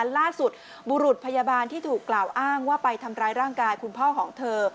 ล่าสุดบุรุษพยาบาลที่ถูกกล่าวอ้างว่าไปทำร้ายร่างกายคุณพ่อของเธอ